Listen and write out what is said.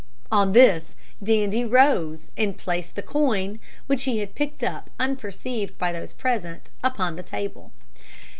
On this Dandie rose, and placed the coin, which he had picked up unperceived by those present, upon the table.